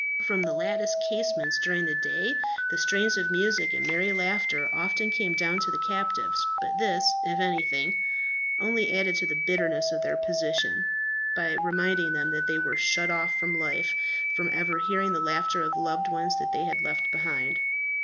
From the lattice casements during the day the strains of music and merry laughter often came down to the captives; but this, if anything, only added to the bitterness of their position, by reminding them that they were shut off for life from ever hearing the laughter of the loved ones they had left behind.